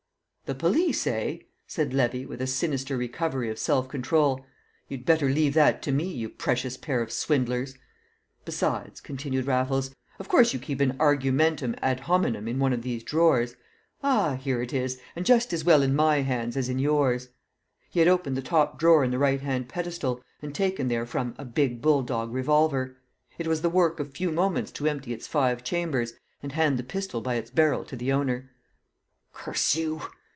"The police, eh?" said Levy, with a sinister recovery of self control. "You'd better leave that to me, you precious pair of swindlers!" "Besides," continued Raffles, "of course you keep an argumentum ad hominem in one of these drawers. Ah, here it is, and just as well in my hands as in yours!" He had opened the top drawer in the right hand pedestal, and taken therefrom a big bulldog revolver; it was the work of few moments to empty its five chambers, and hand the pistol by its barrel to the owner. "Curse you!"